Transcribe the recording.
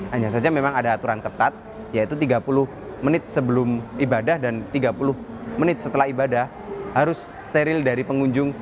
hanya saja memang ada aturan ketat yaitu tiga puluh menit sebelum ibadah dan tiga puluh menit setelah ibadah harus steril dari pengunjung